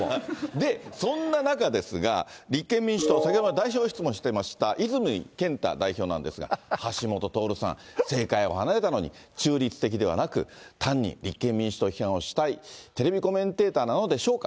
で、そんな中ですが、立憲民主党、先ほど代表質問していました、泉健太代表なんですが、橋下徹さん、政界を離れたのに中立的ではなく、単に立憲民主党批判をしたい、テレビコメンテーターなのでしょうか。